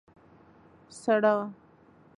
سړه وه.